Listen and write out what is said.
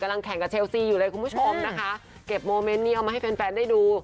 แข่งกับเชลซีอยู่เลยคุณผู้ชมนะคะเก็บโมเมนต์นี้เอามาให้แฟนแฟนได้ดู